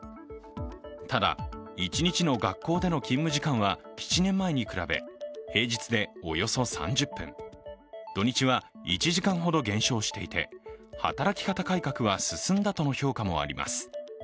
ただ、一日の学校での勤務時間は７年前に比べ、平日でおよそ３０分、土日は１時間ほど減少していて、働き方改革は進んだとの評価もあります。